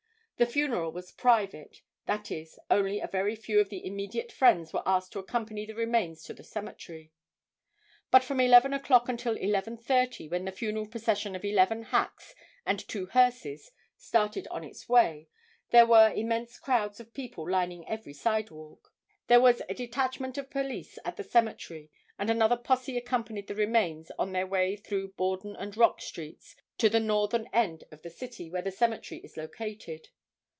The funeral was private—that is, only a very few of the immediate friends were asked to accompany the remains to the cemetery. But from 11 o'clock until 11:30, when the funeral procession of eleven hacks and two hearses started on its way, there were immense crowds of people lining every sidewalk. There was a detachment of police at the cemetery and another posse accompanied the remains on their way through Borden and Rock streets to the northern end of the city, where the cemetery is located.